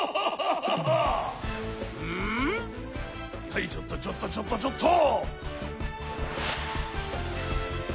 はいちょっとちょっとちょっとちょっと！